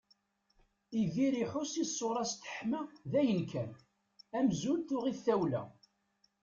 Yidir iḥus i ṣṣura-s teḥma d ayen kan, amzun tuɣ-it tawla.